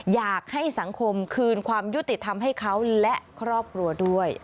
อยากให้สังคมคืนความยุติธรรมให้เขาและครอบครัวด้วย